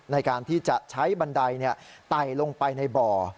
ในการที่จะใช้บันไดไต่ลงไปในบ่อ